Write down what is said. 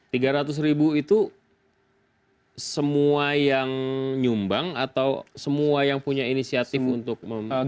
tiga ratus ribu itu semua yang nyumbang atau semua yang punya inisiatif untuk membangun